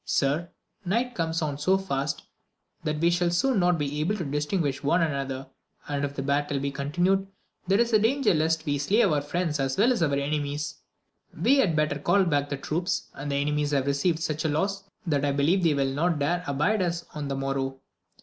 Sir, night comes on so fast that we shall soon not be able to distinguish one an other, and if the battle be continued there is danger lest we slay our friends as well as enemies ; we had better call back the troops, the enemies have received such loss, that I believe they will not dare abide us on the morrow.